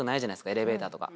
エレベーターとか。